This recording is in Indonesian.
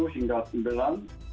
melihat gambar atau yang beragam